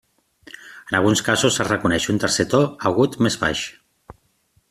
En alguns casos es reconeix un tercer to agut més baix.